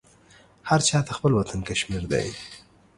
هر چاته خپل وطن کشمير دى.